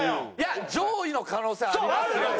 上位の可能性ありますよ。